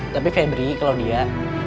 tapi febri kalau dia